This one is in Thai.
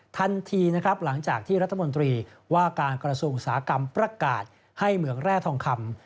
ทันทีหลังจากที่รัฐมนตรีว่าการกรสูงสากรรมประกาศให้เมืองแร่ทองคำ